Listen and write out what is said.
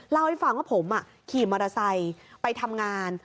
เล่าให้ฟังว่าผมขี่มอเตอร์ไซค์ไปทำงาน